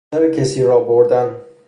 سر کسی را بردن